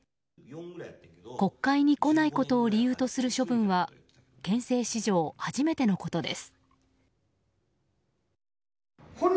国会に来ないことを理由とする処分は憲政史上初めてのことです。